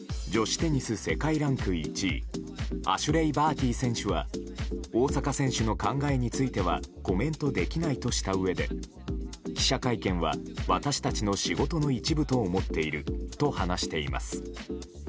女子テニス世界ランク１位アシュレイ・バーティ選手は大坂選手の考えについてはコメントできないとしたうえで記者会見は私たちの仕事の一部と思っていると話しています。